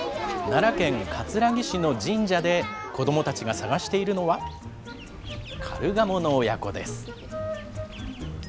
奈良県葛城市の神社で子どもたちが探しているのは、カルガモの親子です。